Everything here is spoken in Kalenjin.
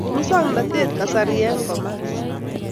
Musoknatetab kasari eng komas.